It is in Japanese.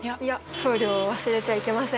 送料を忘れちゃいけません。